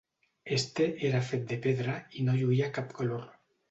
Este era fet de pedra i no lluïa cap color.